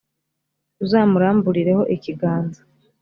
uzamuramburireho ikiganza,